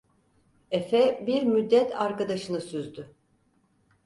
Efe bir müddet arkadaşını süzdü.